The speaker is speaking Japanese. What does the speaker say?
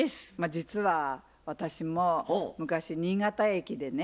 実は私も昔新潟駅でね